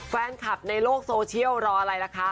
แฟนคลับในโลกโซเชียลรออะไรล่ะคะ